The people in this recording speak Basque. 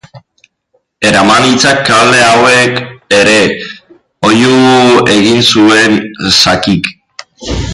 Eraman itzak kable hauek ere! Oihu egin zuen Sakik.